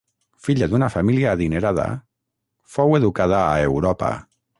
Filla d'una família adinerada, fou educada a Europa.